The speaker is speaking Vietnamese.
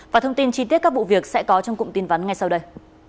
và thông tin chi tiết các vụ việc sẽ có trong cụm tin vắn ngay sau đây